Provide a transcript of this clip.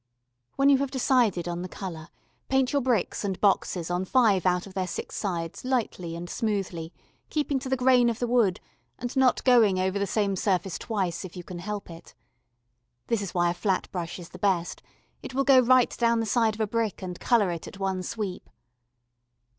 When you have decided on the colour, paint your bricks and boxes on five out of their six sides lightly and smoothly, keeping to the grain of the wood, and not going over the same surface twice if you can help it. This is why a flat brush is the best: it will go right down the side of a brick and colour it at one sweep.